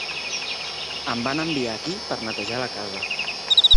Em van enviar aquí per netejar la casa.